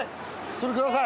それください。